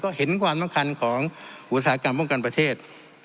ก็เห็นความสำคัญของอุตสาหกรรมป้องกันประเทศ